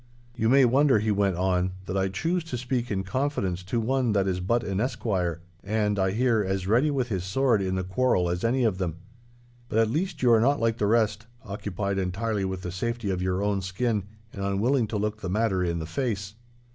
'You may wonder,' he went on, 'that I choose to speak in confidence to one that is but an esquire, and, I hear, as ready with his sword in the quarrel as any of them. But at least you are not like the rest, occupied entirely with the safety of your own skin, and unwilling to look the matter in the face.